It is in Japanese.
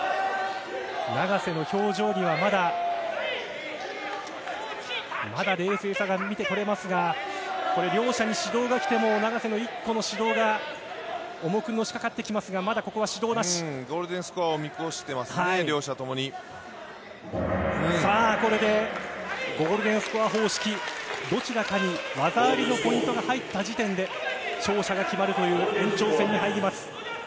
永瀬の表情にはまだ、まだ冷静さが見て取れますが、これ、両者に指導がきても、永瀬の１個の指導が、重くのしかかってきますが、ゴールデンスコアを見越してますね、さあ、これでゴールデンスコア方式、どちらかに技ありのポイントが入った時点で、勝者が決まるという延長戦に入ります。